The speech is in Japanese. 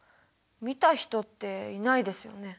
見た人っていないですよね？